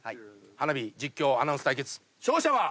花火実況アナウンス対決勝者は。